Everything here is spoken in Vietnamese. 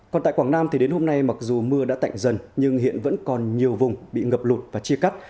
còn tại quảng nam thì đến hôm nay mặc dù mưa đã tạnh dần nhưng hiện vẫn còn nhiều vùng bị ngập lụt và chia cắt